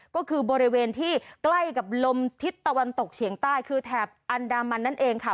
ก็คือบริเวณที่ใกล้กับลมทิศตะวันตกเฉียงใต้คือแถบอันดามันนั่นเองค่ะ